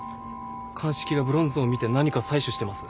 鑑識がブロンズ像を見て何か採取してます。